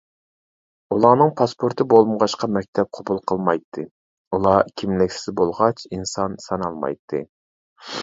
ئۇلارنىڭ پاسپورتى بولمىغاچقا مەكتەپ قوبۇل قىلمايتتى، ئۇلار كىملىكسىز بولغاچ ئىنسان سانالمايتتى.